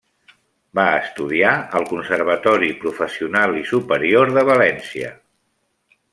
Va estudiar al conservatori professional i superior de València.